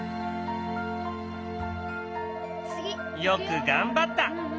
よく頑張った！